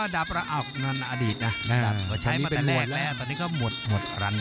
อ๋อดาบรันอดีตนะก็ใช้มาแต่แรกแรกตอนนี้ก็หมวดรัน